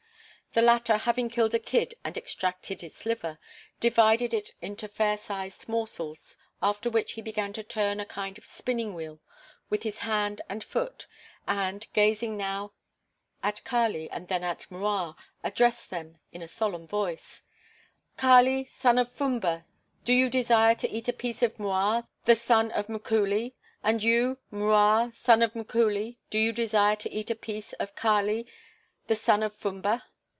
The latter, having killed a kid and extracted its liver, divided it into fair sized morsels; after which he began to turn a kind of spinning wheel with his hand and foot and, gazing now at Kali and then at M'Rua, addressed them in a solemn voice: "Kali, son of Fumba, do you desire to eat a piece of M'Rua, the son of M'Kuli, and you, M'Rua, son of M'Kuli, do you desire to eat a piece of Kali, the son of Fumba?"